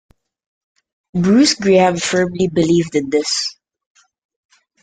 Bruce Graham firmly believed in this.